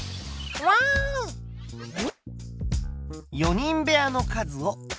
４人部屋の数を。